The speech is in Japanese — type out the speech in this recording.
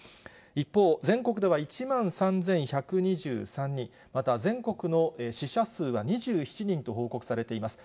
一方、全国では１万３１２３人、また全国の死者数は２７人と報告されています。